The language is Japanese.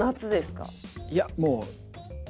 いやもう。